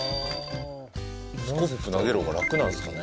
スコップ投げる方がラクなんですかね？